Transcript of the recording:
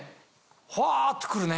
ふわって来るね。